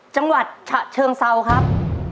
จังหวัดฉะเชิงเซาครับ